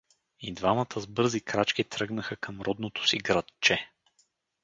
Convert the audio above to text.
И двамата с бързи крачки тръгнаха към родното си градче.